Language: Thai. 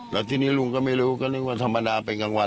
แล้วทีนี้ลุงก็ไม่รู้ก็นึกว่าธรรมดาเป็นกลางวัน